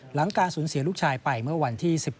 หลังการสูญเสียลูกชายไปเมื่อวันที่๑๗